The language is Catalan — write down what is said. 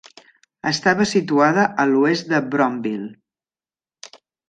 Estava situada a l'oest de Brownville.